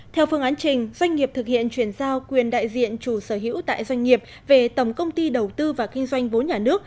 theo phương án trình doanh nghiệp thực hiện chuyển giao quyền đại diện chủ sở hữu tại doanh nghiệp về tổng công ty đầu tư và kinh doanh vốn nhà nước